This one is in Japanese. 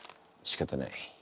しかたない。